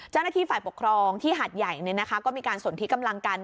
เจ้าหน้าที่ฝ่ายปกครองที่หาดใหญ่ก็มีการสนที่กำลังกัน